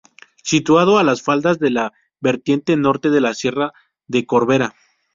Situado a las faldas de la vertiente norte de la sierra de Corbera.